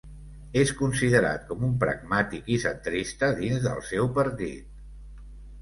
És considerat com un pragmàtic i centrista dins del seu partit.